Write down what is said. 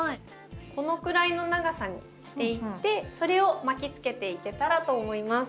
このくらいの長さにしていってそれを巻きつけていけたらと思います。